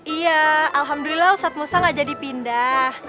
iya alhamdulillah ustadz mursa nggak jadi pindah